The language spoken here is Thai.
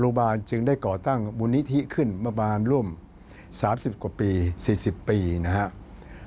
บาลจึงได้ก่อตั้งมูลนิธิขึ้นประมาณร่วม๓๐กว่าปี๔๐ปีนะครับ